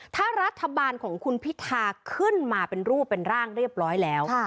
ถ้ารัฐบาลของคุณพิธาขึ้นมาเป็นรูปเป็นร่างเรียบร้อยแล้ว